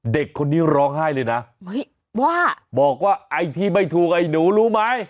เด็กคนนี้ร้องไห้เลยนะว่าบอกว่าไอ้ที่ไม่ถูกไอ้หนูรู้ไหม